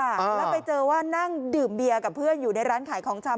แล้วไปเจอว่านั่งดื่มเบียร์กับเพื่อนอยู่ในร้านขายของชำ